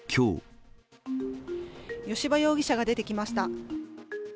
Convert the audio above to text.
吉羽容疑者が出てきました。